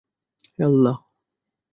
হে, আল্লাহ!